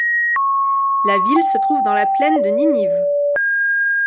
La ville se trouve dans la Plaine de Ninive.